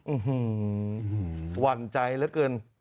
อื้อฮือหวั่นใจเหลือเกิน